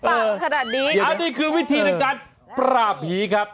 ขนาดนี้อันนี้คือวิธีในการปราบผีครับ